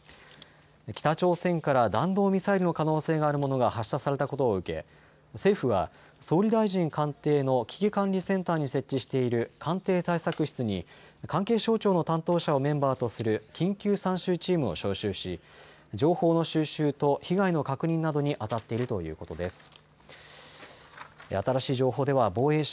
北朝鮮から弾道ミサイルの可能性があるものが発射されたことを受け政府は総理大臣官邸の危機管理センターに設置している官邸対策室に関係省庁の担当者をメンバーとする緊急参集チームを招集し、情報の収集と被害の確認などにあたっているということです。